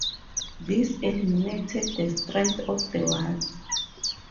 This eliminated the strength of the wards.